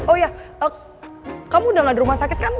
oh iya kamu udah gak di rumah sakit kan